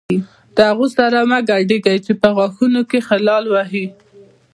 له هغو سره مه ګډېږئ چې په غاښونو کې خلال وهي.